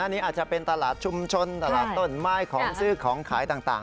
อันนี้อาจจะเป็นตลาดชุมชนตลาดต้นไม้ของซื้อของขายต่าง